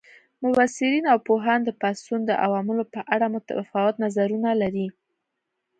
مبصرین او پوهان د پاڅون د عواملو په اړه متفاوت نظرونه لري.